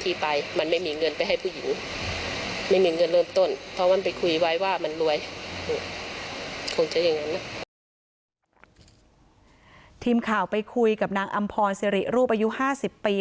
ทีมข่าวไปคุยกับนางอำพอลเสรียรูปอายุห้าสิบปี